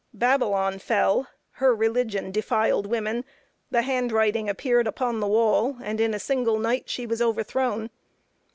Babylon fell; her religion defiled woman; the hand writing appeared upon the wall, and in a single night she was overthrown.